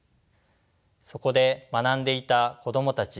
そこで学んでいた子供たち